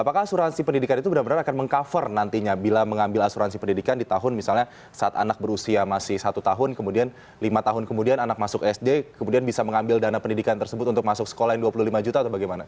apakah asuransi pendidikan itu benar benar akan meng cover nantinya bila mengambil asuransi pendidikan di tahun misalnya saat anak berusia masih satu tahun kemudian lima tahun kemudian anak masuk sd kemudian bisa mengambil dana pendidikan tersebut untuk masuk sekolah yang dua puluh lima juta atau bagaimana